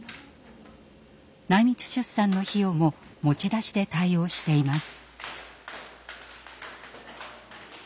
内密出産の費用も持ち出しで対応しています。